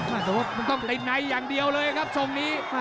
แต่ว่ามันต้องติดในอย่างเดียวเลยครับทรงนี้